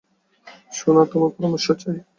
সোনা, তোমার পরামর্শ চাই?